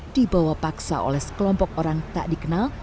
dibawa paksa oleh sekelompok orang tak dikenal